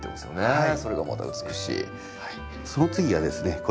はい。